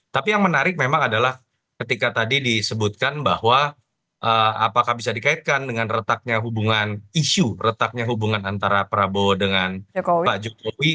tapi yang menarik memang adalah ketika tadi disebutkan bahwa apakah bisa dikaitkan dengan retaknya hubungan isu retaknya hubungan antara prabowo dengan pak jokowi